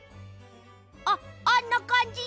あっあんなかんじ！